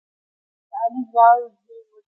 د علي ځوان زوی مړ شو.